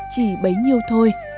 chỉ bấy nhiêu thôi